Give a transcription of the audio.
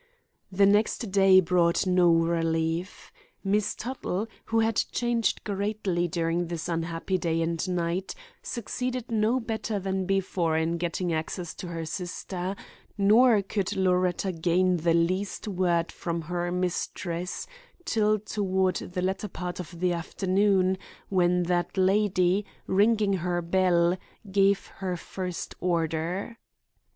The next day brought no relief. Miss Tuttle, who had changed greatly during this unhappy day and night, succeeded no better than before in getting access to her sister, nor could Loretta gain the least word from her mistress till toward the latter part of the afternoon, when that lady, ringing her bell, gave her first order.